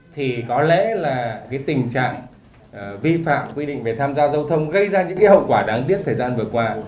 thì có lẽ là cái tình trạng vi phạm quy định về tham gia giao thông gây ra những cái hậu quả đáng tiếc thời gian vừa qua